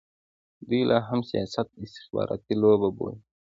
دوی لا هم سیاست د استخباراتي لوبه بولي.